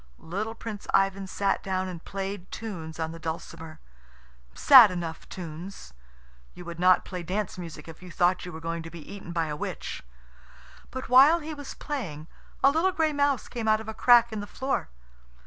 Little Prince Ivan sat down and played tunes on the dulcimer sad enough tunes. You would not play dance music if you thought you were going to be eaten by a witch. But while he was playing a little gray mouse came out of a crack in the floor.